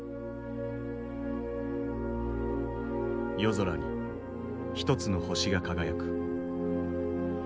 夜空に一つの星が輝く。